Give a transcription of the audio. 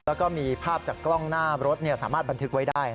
แล้วก็มีภาพจากกล้องหน้ารถสามารถบันทึกไว้ได้